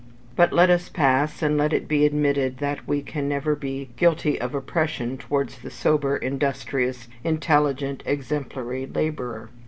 But let this pass; and let it be admitted that we can never be guilty of oppression towards the sober, industrious, intelligent, exemplary labourer.